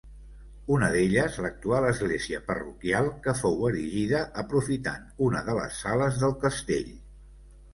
Una d'elles, l'actual església parroquial, que fou erigida aprofitant una de les sales del castell.